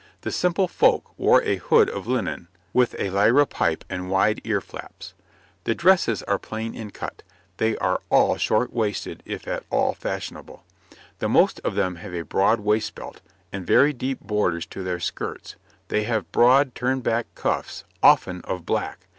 The simple folk wore a hood of linen, with a liripipe and wide ear flaps. [Illustration: {A woman of the time of Edward IV.}] The dresses are plain in cut; they are all short waisted if at all fashionable. The most of them have a broad waist belt, and very deep borders to their skirts; they have broad, turned back cuffs, often of black.